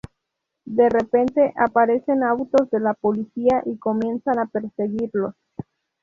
De repente, aparecen autos de la policía y comienzan a perseguirlos.